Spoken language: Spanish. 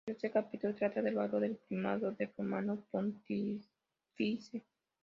El tercer capítulo trata del valor del primado del romano pontífice.